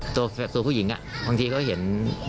ตัวผู้หญิงบางทีเขาเห็น